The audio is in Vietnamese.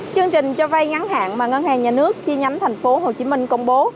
chương trình cho vay ngắn hạn mà ngân hàng nhà nước chi nhánh thành phố hồ chí minh công bố